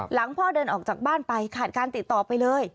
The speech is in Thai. พ่อเดินออกจากบ้านไปขาดการติดต่อไปเลย